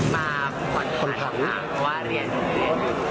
มาผ่อนผันทำงานเพราะว่าเรียนผมไปเรียน